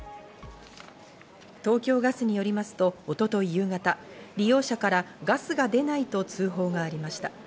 東京ガスによりますと一昨日夕方、利用者からガスが出ないと通報がありました。